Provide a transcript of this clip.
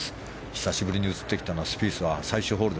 久しぶりに映ってきたスピースは最終ホール。